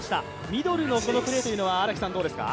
ミドルのこのプレーというのはどうですか？